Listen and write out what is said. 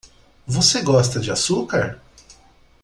Você gosta de açúcar?